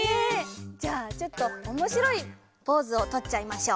じゃあちょっとおもしろいポーズをとっちゃいましょう。